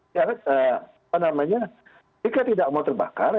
jika tidak mau terbakar